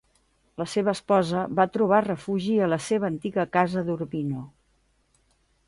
La seva esposa va trobar refugi a la seva antiga casa d'Urbino.